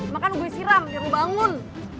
makan gue yang siram yang lu bangun